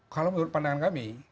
kalau menurut pandangan kami